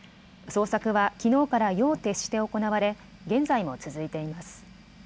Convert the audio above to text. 捜索はきのうから夜を徹して行われ現在も続いています。